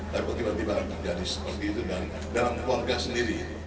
tapi tiba tiba akan terjadi seperti itu dan dalam keluarga sendiri